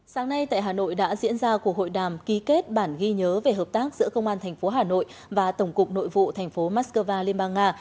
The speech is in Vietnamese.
sáng nay tại hà nội đã diễn ra cuộc hội đàm ký kết bản ghi nhớ về hợp tác giữa công an tp hà nội và tổng cục nội vụ tp moscow liên bang nga